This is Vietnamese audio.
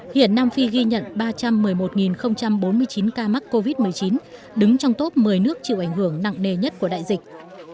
hiện nam phi ghi nhận ba trăm một mươi một bốn mươi chín ca mắc covid một mươi chín đứng trong top một mươi nước chịu ảnh hưởng nặng đề nhất của đại dịch